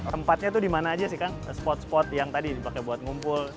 tempatnya tuh di mana aja sih kang spot spot yang tadi dipakai buat ngumpul